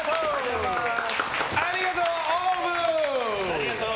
ありがとう！